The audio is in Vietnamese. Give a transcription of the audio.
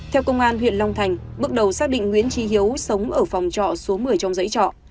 theo công an huyện long thành bước đầu xác định nguyễn trí hiếu sống ở phòng trọ số một mươi trong dãy trọ